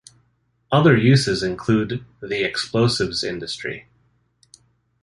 Other uses include the explosives industry.